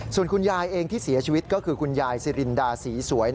ส่วนคุณยายเองที่เสียชีวิตก็คือคุณยายสิรินดาศรีสวย